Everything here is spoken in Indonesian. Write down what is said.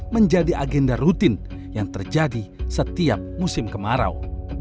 menjadi agenda rutin yang terjadi setiap musim kemarau